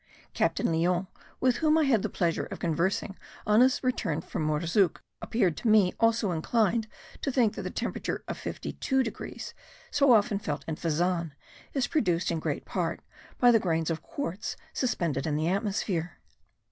Captain Lyon, with whom I had the pleasure of conversing on his return from Mourzouk, appeared to me also inclined to think that the temperature of fifty two degrees, so often felt in Fezzan, is produced in great part by the grains of quartz suspended in the atmosphere.